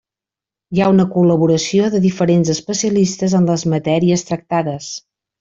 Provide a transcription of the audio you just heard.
Hi ha una col·laboració de diferents especialistes en les matèries tractades.